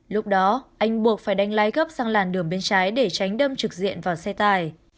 lúc đó anh buộc phải đánh lái gấp sang làn đường bên trái để tránh đâm trực diện vào xe tài